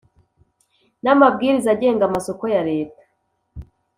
n amabwiriza agenga amasoko ya Leta